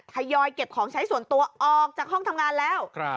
ยอยเก็บของใช้ส่วนตัวออกจากห้องทำงานแล้ว